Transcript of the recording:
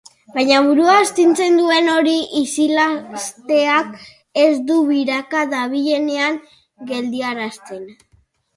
Baina burua astintzen duen hori isilarazteak ez du biraka dabilena geldiarazten.